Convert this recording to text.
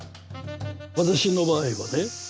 私の場合はね